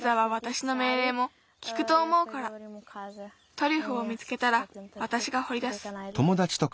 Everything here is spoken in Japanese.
トリュフを見つけたらわたしがほりだす。